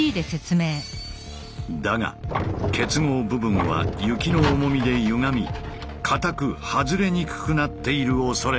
だが結合部分は雪の重みでゆがみかたく外れにくくなっているおそれがある。